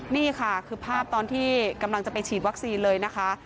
นี่ค่ะคือภาพตอนที่กำลังจะไปฉีดวัคซีนเลยนะคะ